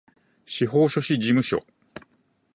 司法書士事務所